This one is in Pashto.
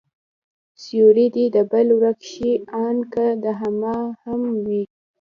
سيورى دي د بل ورک شي، آن که د هما هم وي